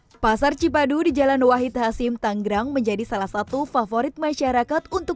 hai pasar cipadu di jalan wahid hasim tanggrang menjadi salah satu favorit masyarakat untuk